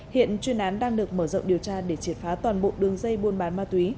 hiện chuyên án đang được mở rộng điều tra để triệt phá toàn bộ đường dây buôn bán ma túy